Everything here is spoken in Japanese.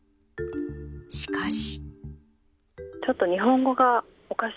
しかし。